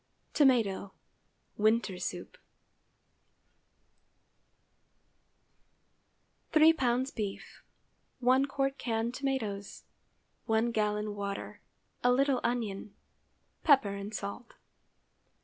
TOMATO (Winter soup.) ✠ 3 lbs. beef. 1 qt. canned tomatoes. 1 gallon water. A little onion. Pepper and salt.